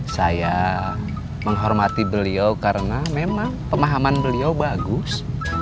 saya menghormati beliau karena memang pemahaman beliau bagus